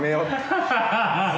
ハハハ